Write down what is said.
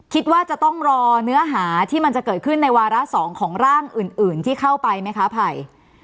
คิดว่าจะต้องรอเนื้อหาที่มันจะเกิดขึ้นในวาระ๒ของร่างอื่นที่เข้าไปไหมคะไผ่